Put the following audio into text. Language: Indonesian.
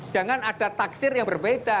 jangan ada taksir yang berbeda